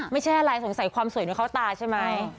ไม่ใช่อะไรสงสัยความสวยด้วยเข้าตาใช่ไหม